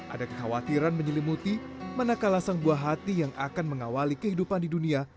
ada kekhawatiran menyelimuti manakala sang buah hati yang akan mengawali kehidupan di dunia